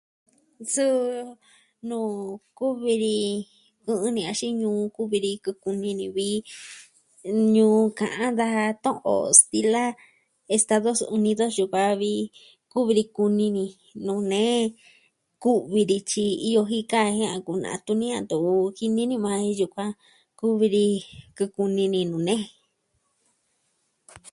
Suu nu kuvi ni kɨ'ɨn ni axin nuu uvi ni ku kuni ni vi ñuu ka'an daa to'on stila Estados Unidos yukuan vi. Kuvi ni kuni ni nuu nee kuvi ni tyi iyo jika jen an kunaa tuni a ntoo. Kini ni maa e yukuan. Kuvi ni kakuni ni nu nee.